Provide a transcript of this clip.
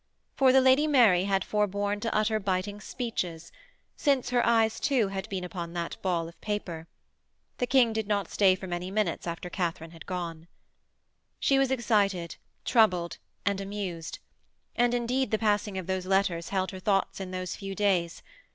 For the Lady Mary had forborne to utter biting speeches, since her eyes too had been upon that ball of paper. The King did not stay for many minutes after Katharine had gone. She was excited, troubled and amused and, indeed, the passing of those letters held her thoughts in those few days.